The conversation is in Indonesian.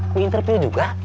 kuing interview juga